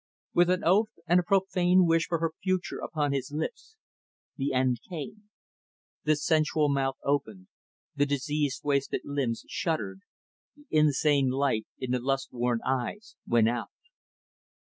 With an oath and a profane wish for her future upon his lips, the end came. The sensual mouth opened the diseased wasted limbs shuddered the insane light in the lust worn eyes went out.